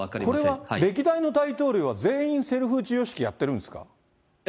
これは歴代の大統領は、全員セルフ授与式やってるんですか。